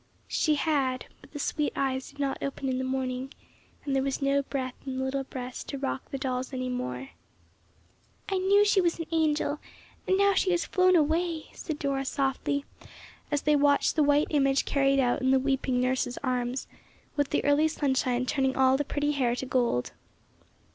She had, but the sweet eyes did not open in the morning, and there was no breath in the little breast to rock the dolls any more. "I knew she was an angel, and now she has flown away," said Dora softly, as they watched the white image carried out in the weeping nurse's arms, with the early sunshine turning all the pretty hair to gold.